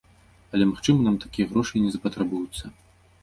Але, магчыма, нам такія грошы і не запатрабуюцца.